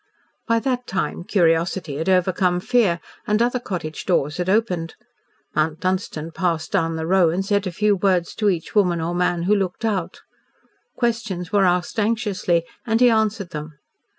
By that time curiosity had overcome fear, and other cottage doors had opened. Mount Dunstan passed down the row and said a few words to each woman or man who looked out. Questions were asked anxiously and he answered them.